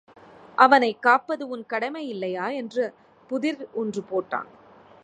அவனைக் காப்பது உன் கடமை இல்லையா என்று புதிர் ஒன்று போட்டான்.